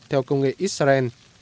theo công nghệ israel